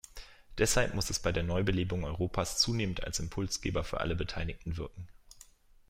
Deshalb muss es bei der Neubelebung Europas zunehmend als Impulsgeber für alle Beteiligten wirken.